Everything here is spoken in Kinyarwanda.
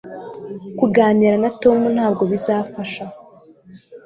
Kuganira na Tom ntabwo bizafasha